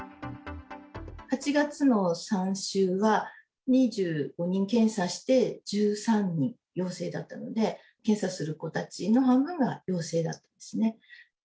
８月の３週は、２５人検査して、１３人陽性だったので、検査する子たちの半分が陽性だったんですね。